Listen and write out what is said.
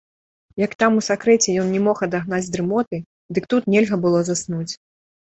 Як там у сакрэце ён не мог адагнаць дрымоты, дык тут нельга было заснуць.